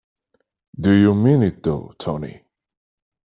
Do you mean it though, Tony?